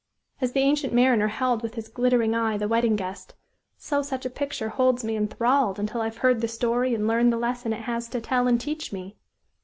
As the Ancient Mariner held with his 'glittering eye' the wedding guest, so such a picture holds me enthralled until I have heard the story and learned the lesson it has to tell and teach me.